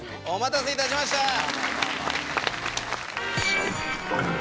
お待たせいたしました！